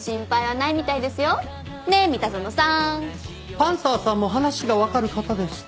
パンサーさんも話がわかる方でした。